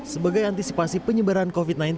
sebagai antisipasi penyebaran covid sembilan belas